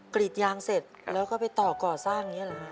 กรีดยางเสร็จแล้วก็ไปต่อก่อสร้างอย่างนี้เหรอฮะ